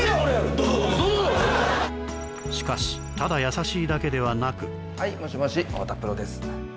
どうぞどうぞしかしただやさしいだけではなくはいもしもし太田プロです